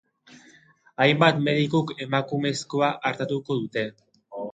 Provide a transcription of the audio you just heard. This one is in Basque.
Hainbat medikuk emakumezkoa artatuko dute.